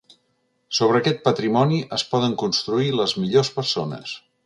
Sobre aquest patrimoni es poden construir les millors persones.